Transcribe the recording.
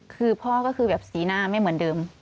คือพ่อก็คือแบบสีหน้าไม่เหมือนเดิม